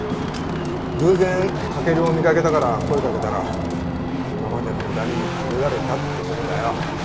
偶然駆を見かけたから声をかけたら今までの恨みで殴られたってとこだよ。